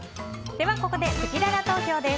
ここでせきらら投票です。